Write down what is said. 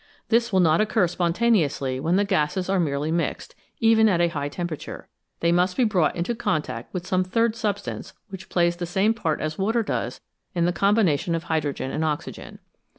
This will not occur spontaneously when the gases are merely mixed, even at a high temperature. They must be brought into con tact with some third substance which plays the same part as water does in the combination of hydrogen and oxygen.